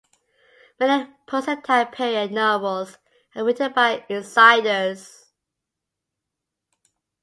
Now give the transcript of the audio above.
Many post-attack period novels are written by insiders.